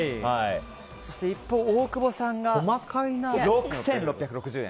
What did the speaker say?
そして一方大久保さんが、６６６０円。